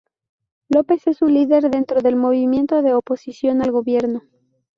López es un líder dentro del movimiento de oposición al gobierno.